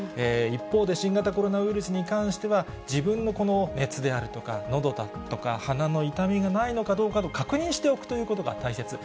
一方で新型コロナウイルスに関しては、自分の熱であるとか、のどだとか鼻の痛みがないのかどうか確認しておくということが大切。